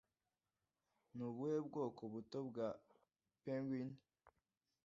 Ni ubuhe bwoko buto bwa penguin